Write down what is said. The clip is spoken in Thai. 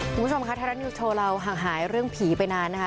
คุณผู้ชมคะไทยรัฐนิวส์โชว์เราห่างหายเรื่องผีไปนานนะคะ